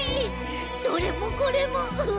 どれもこれも。